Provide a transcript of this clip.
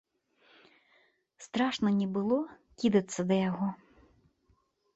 Страшна не было кідацца да яго?